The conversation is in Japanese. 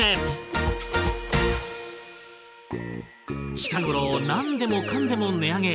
近頃何でもかんでも値上げ。